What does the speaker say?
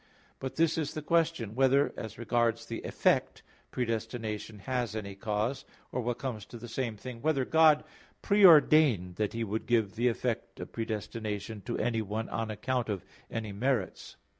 But this is the question, whether, as regards the effect, predestination has any cause; or what comes to the same thing, whether God pre ordained that He would give the effect of predestination to anyone on account of any merits.